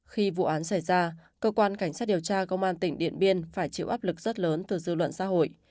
khi vụ án xảy ra cơ quan cảnh sát điều tra công an tỉnh điện biên phải chịu áp lực rất lớn từ dư luận xã hội